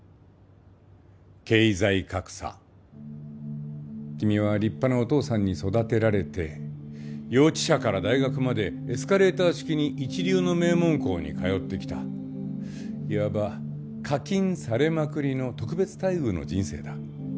経済格差君は立派なお父さんに育てられて幼稚舎から大学までエスカレーター式に一流の名門校に通ってきたいわば課金されまくりの特別待遇の人生だ